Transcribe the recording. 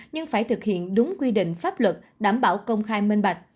nhưng phải thực hiện đúng quy định pháp luật đảm bảo công khai minh bạch